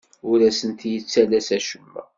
Ur asent-yettalas acemma.